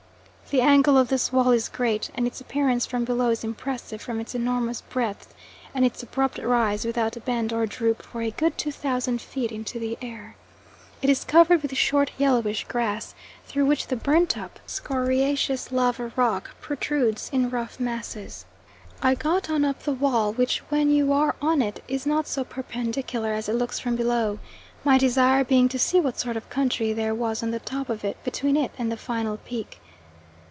The angle of this wall is great, and its appearance from below is impressive from its enormous breadth, and its abrupt rise without bend or droop for a good 2,000 feet into the air. It is covered with short, yellowish grass through which the burnt up, scoriaceous lava rock protrudes in rough masses. I got on up the wall, which when you are on it is not so perpendicular as it looks from below, my desire being to see what sort of country there was on the top of it, between it and the final peak.